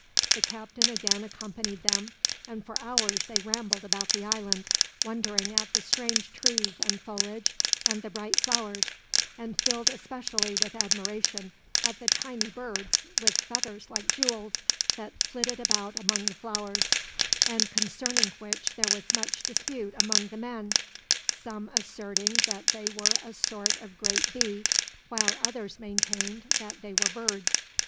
The captain again accompanied them, and for hours they rambled about the island, wondering at the strange trees and foliage and the bright flowers; and filled especially with admiration at the tiny birds, with feathers like jewels, that flitted about among the flowers, and concerning which there was much dispute among the men some asserting that they were a sort of great bee, while others maintained that they were birds.